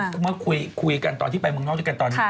เมื่อคุยกันตอนที่ไปเมืองนอกด้วยกันตอนนี้